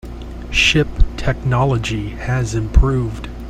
Ship technology has improved.